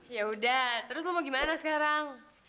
yaudah terus lo mau gimana sekarang